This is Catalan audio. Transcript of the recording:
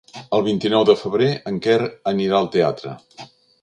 El vint-i-nou de febrer en Quer anirà al teatre.